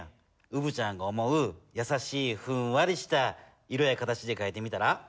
うぶちゃんが思うやさしいふんわりした色や形でかいてみたら？